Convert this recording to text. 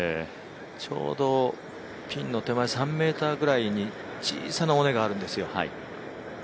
ちょうどピンの手前３ｍぐらいに小さな尾根があるんですよ。